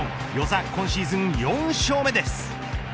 與座、今シーズン４勝目です。